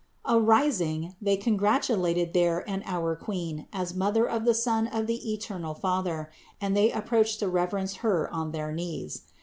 Arising, they congratulated their and our Queen as Mother of the Son of the eternal Father; and they approached to reverence Her on their knees.